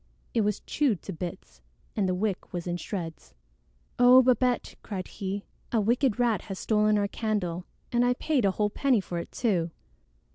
It was chewed to bits, and the wick was in shreds. "Oh, Babette!" cried he. "A wicked rat has stolen our candle, and I paid a whole penny for it too!"